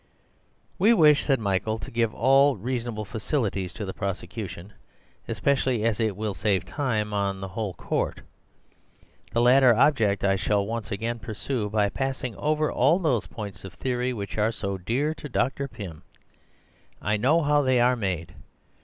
"We wish," said Michael, "to give all reasonable facilities to the prosecution; especially as it will save the time of the whole court. The latter object I shall once again pursue by passing over all those points of theory which are so dear to Dr. Pym. I know how they are made.